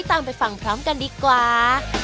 ตามไปฟังพร้อมกันดีกว่า